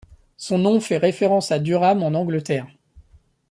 Son nom fait référence à Durham en Angleterre.